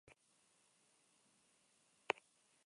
Berehala lortu dute sua itzaltzea.